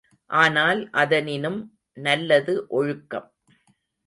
ஆனால், அதனினும் நல்லது ஒழுக்கம்.